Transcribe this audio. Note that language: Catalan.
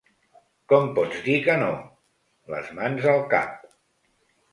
Com pots dir que no? –les mans al cap–.